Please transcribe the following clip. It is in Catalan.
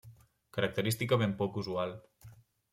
Característica ben poc usual.